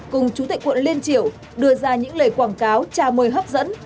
cùng chủ tịch quận liên triệu đưa ra những lời quảng cáo tra môi hấp dẫn